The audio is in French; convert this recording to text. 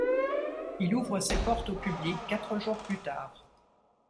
Il ouvre ses portes au public quatre jours plus tard.